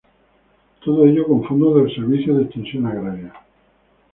Todo ello con fondos del Servicio de extensión agraria.